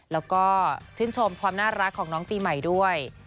แล้วก็ชื่นชมความน่ารักของน้องปีใหม่ด้วย